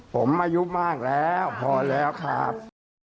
ผมอายุมากแล้วพอแล้วครับ